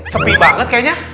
sepi banget kayaknya